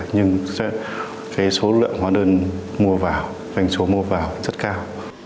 nhưng số lượng hóa đơn mua vào doanh số mua vào rất cao